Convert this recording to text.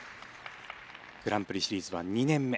グランプリシリーズは２年目。